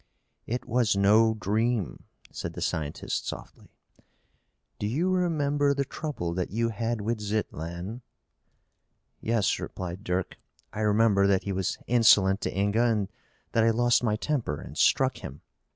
"It was no dream," said the scientist softly. "Do you remember the trouble that you had with Zitlan?" "Yes," replied Dirk. "I remember that he was insolent to Inga and that I lost my temper and struck him.